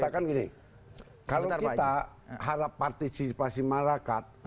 kalau kita harap partisipasi masyarakat